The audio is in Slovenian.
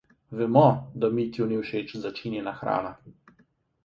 Vemo, da Mitju ni všeč začinjena hrana.